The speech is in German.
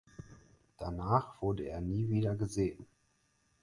Danach wurde er nie wieder gesehen.